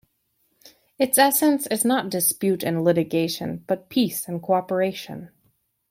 Its essence is not dispute and litigation, but peace and co-operation.